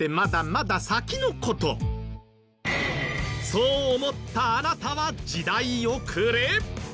そう思ったあなたは時代遅れ！